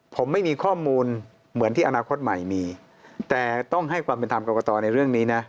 ผมไม่มีข้อมูลเหมือนที่อนาคตใหม่มีแต่ต้องให้ความเป็นธรรมกรกตในเรื่องนี้นะ